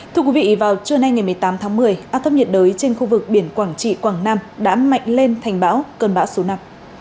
thưa quý vị vào trưa nay ngày một mươi tám tháng một mươi áp thấp nhiệt đới trên khu vực biển quảng trị quảng nam đã mạnh lên thành bão cơn bão số năm